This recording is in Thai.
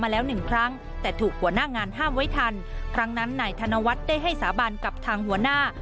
แล้วหนึ่งครั้งแต่ถูกหัวหน้างานห้ามไว้ทันครั้งนั้นนายธนวัฒน์ได้ให้สาบานกับทางหัวหน้า